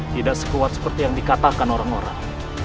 tidak sekuat seperti yang dikatakan orang orang